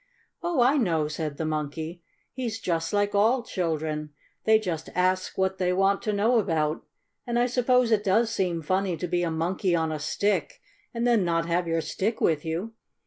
"Oh, I know," said the Monkey. "He's just like all children they just ask what they want to know about. And I suppose it does seem funny to be a Monkey on a Stick and then not have your stick with you.